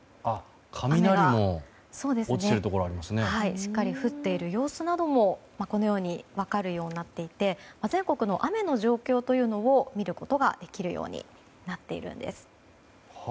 しっかり降っている様子も分かるようになっていて全国の雨の状況を見ることができるようになっているんです。